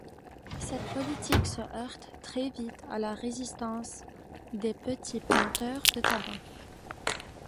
Cette politique se heurte très vite à la résistance des petits planteurs de tabac.